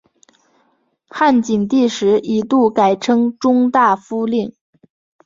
汉景帝时一度改称中大夫令。